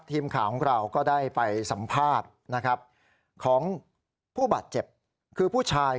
ทีมข่าวของเราก็ได้ไปสัมภาษณ์นะครับของผู้บาดเจ็บคือผู้ชาย